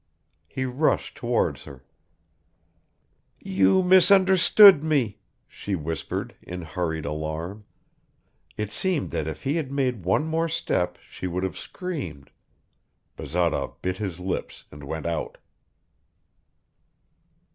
He rushed towards her ... "You misunderstood me," she whispered in hurried alarm. It seemed that if he had made one more step she would have screamed ... Bazarov bit his lips and went out.